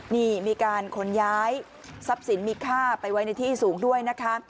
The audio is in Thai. นี่มีการขนย้ายทรัพย์สินมีค่าไปไว้ในที่สูงด้วยนะคะ